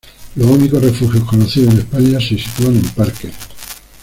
Los únicos refugios conocidos en España se sitúan en parques.